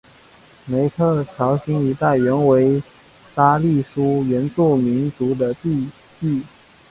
梅特乔辛一带原为沙利殊原住民族的地域。